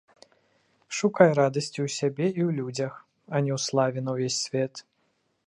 Шукай радасці ў сабе і ў людзях, а не ў славе на ўвесь свет.